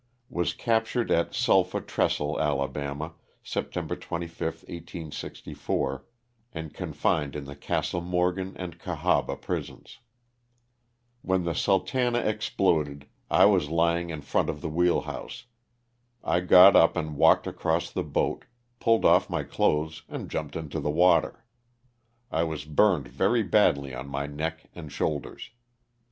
Was captured at Sulphur Trestle, Ala., September 25, 1864, and confined in the Castle Morgan and Cahaba prisons. 186 LOSS OF THE SULTANA. When the Sultana" exploded I was lying in front of the wheel house. I got up, and walked across the boat, pulled off my clothes and jumped into the water. I was burned very badly on my neck and shoulders.